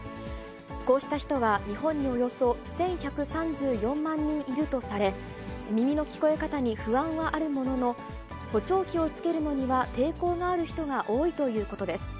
こうした人は日本におよそ１１３４万人いるとされ、耳の聞こえ方に不安はあるものの、補聴器をつけるのには抵抗がある人が多いということです。